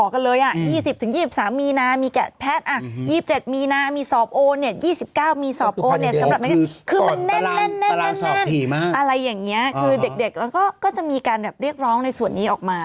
คือเด็กก็จะมีการเรียกร้องในส่วนนี้ออกมา